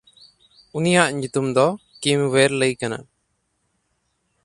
ᱩᱱᱤᱭᱟᱜ ᱧᱩᱛᱩᱢ ᱫᱚ ᱠᱤᱢᱶᱮᱨᱞᱟᱹᱭ ᱠᱟᱱᱟ᱾